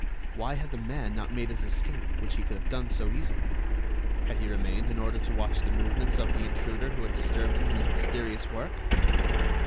Why had the man not made his escape, which he could have done so easily? Had he remained in order to watch the movements of the intruder who had disturbed him in his mysterious work?